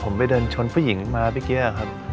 ผมไปเดินชนผู้หญิงมาเมื่อกี้ครับ